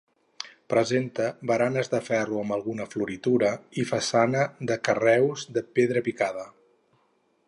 Presenta baranes de ferro amb alguna floritura i façana de carreus de pedra picada.